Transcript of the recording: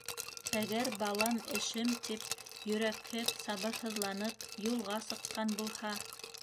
Әгәр «балам, эшем» тип йөрәкһеп, сабырһыҙланып юлға сыҡҡан булһа!